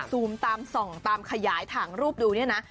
ซูมตามส่องตามขยายถังรูปดูเนี่ยนะ